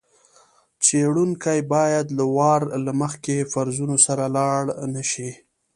څېړونکی باید له وار له مخکې فرضونو سره لاړ نه شي.